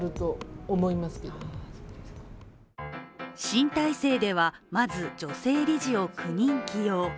新体制ではまず、女性理事を９人起用。